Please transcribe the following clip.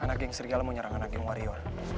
anak geng serigala mau nyerang anak geng wario